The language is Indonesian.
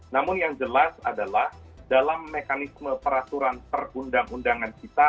namun yang jelas adalah dalam mekanisme peraturan perundang undangan kita